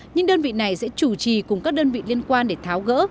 nhưng đơn vị này sẽ chủ trì cùng các đơn vị liên quan để tháo gỡ